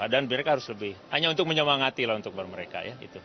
dan mereka harus lebih hanya untuk menyemangati untuk mereka